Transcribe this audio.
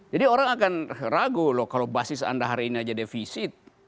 jadi orang akan ragu loh kalau basis anda hari ini aja defisit